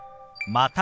「また」。